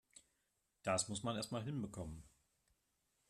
Das muss man erst mal hinbekommen!